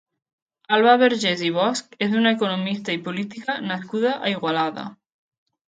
Alba Vergés i Bosch és una economista i política nascuda a Igualada.